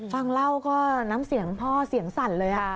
ฟังเล่าก็น้ำเสียงพ่อเสียงสั่นเลย